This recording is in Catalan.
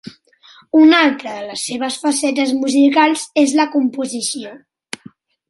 Una altra de les seves facetes musicals és la composició.